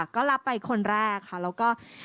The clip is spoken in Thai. ก็รับไปคนแรก